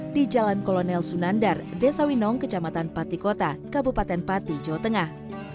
di jalan kolonel sunandar desa winong kecamatan patikota kabupaten pati jawa tengah